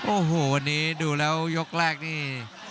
โอ้โหวันนี้ดูแล้วยกแรกนี่